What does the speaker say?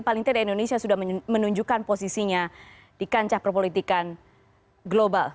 paling tidak indonesia sudah menunjukkan posisinya di kancah perpolitikan global